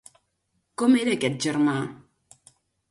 Com era aquest germà?